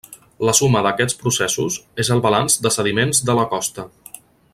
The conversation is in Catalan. La suma d'aquests processos és el balanç de sediments de la costa.